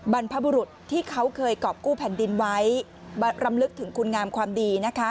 บรรพบุรุษที่เขาเคยกรอบกู้แผ่นดินไว้รำลึกถึงคุณงามความดีนะคะ